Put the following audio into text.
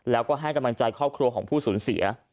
แล้วก็ให้กำลังใจครอบครัวของผู้สูญเสีย